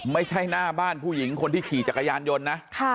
ไม่ใช่หน้าบ้านผู้หญิงคนที่ขี่จักรยานยนต์นะ